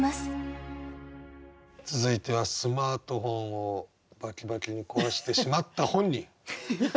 続いてはスマートフォンをバキバキに壊してしまった本人。